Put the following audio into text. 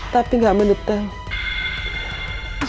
tapi tidak mengetahui